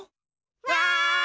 わい！